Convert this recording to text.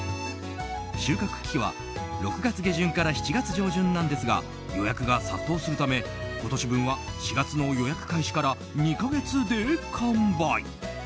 収穫期は６月下旬から７月上旬なんですが予約が殺到するため今年分は４月の予約開始から２か月で完売。